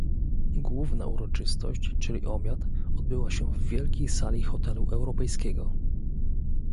"Główna uroczystość, czyli obiad, odbyła się w wielkiej sali hotelu europejskiego."